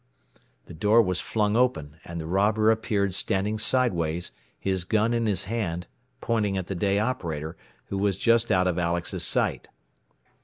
The door was flung open, and the robber appeared standing sideways, his gun in his hand, pointing at the day operator, who was just out of Alex's sight.